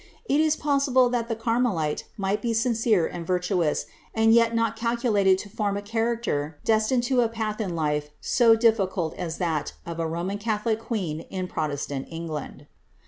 * It is possible tliat the Carmelite might be sincere and virtuous, and yet not calculated to form a character destined to a path in life so difficult as that of a Roman catholic queen in protestant England.